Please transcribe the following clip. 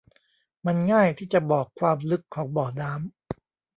มันง่ายที่จะบอกความลึกของบ่อน้ำ